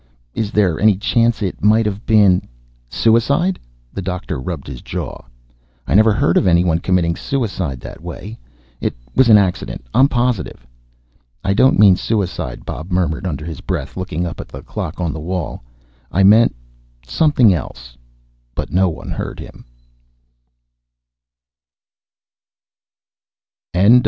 Is there any chance it might have been " "Suicide?" the doctor rubbed his jaw. "I never heard of anyone committing suicide that way. It was an accident; I'm positive." "I don't mean suicide," Bob murmured under his breath, looking up at the clock on the wall. "I meant something else." But no one heard him.